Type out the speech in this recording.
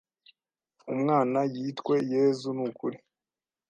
umwana yitwe Yezu nukuri